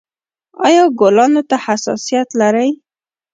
ایا ګلانو ته حساسیت لرئ؟